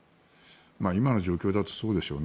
今の状況だとそうでしょうね。